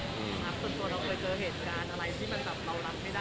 น้ำตัวเราเคยเจอเหตุการณ์อะไรที่มันแบบเบ้าลำไม่ได้ไหมครับ